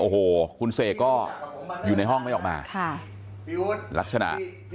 โอ้โหคุณเสกก็อยู่ในห้องไม่ออกมาค่ะลักษณะ